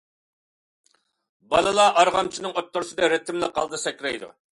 بالا ئارغامچىنىڭ ئوتتۇرىسىدا رىتىملىق ھالدا سەكرەيدۇ.